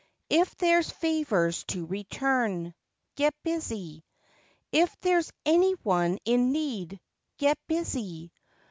If there's favors to return, Get busy. If there's any one in need, Get busy.